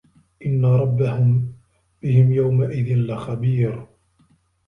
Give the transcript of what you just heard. إِنَّ رَبَّهُم بِهِم يَومَئِذٍ لَخَبيرٌ